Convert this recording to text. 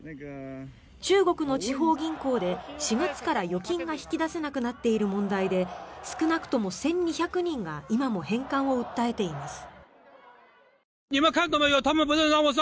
中国の地方銀行で４月から預金が引き出せなくなっている問題で少なくとも１２００人が今も返還を訴えています。